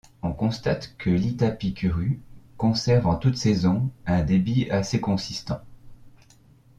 On constate que l'Itapicuru conserve en toutes saisons un débit assez consistant.